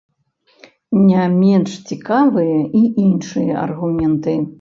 Не менш цікавыя і іншыя аргументы.